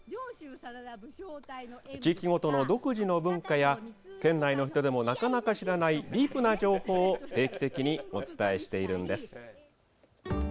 地域ごとの独自の文化や県内の人でもなかなか知らないディープな情報を定期的にお伝えしているんです。